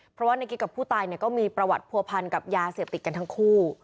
เพราะว่าในกิ๊กกับผู้ตายก็มีประวัติผัวพันกับยาเสพติดกันทั้งคู่